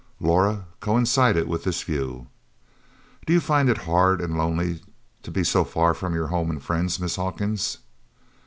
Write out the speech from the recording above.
Laura coincided with this view. "Do you find it hard and lonely to be so far from your home and friends, Miss Hawkins?"